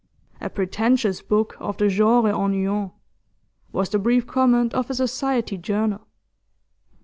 'A pretentious book of the genre ennuyant,' was the brief comment of a Society journal.